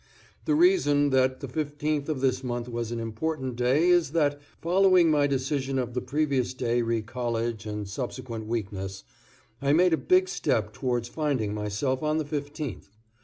The reason that the 15th of this month was an important day is that, following my decision of the previous day re college and subsequent weakness, I made a big step towards finding myself on the 15th.